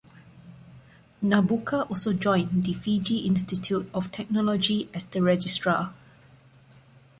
Nabuka also joined the Fiji Institute of Technology as the Registrar.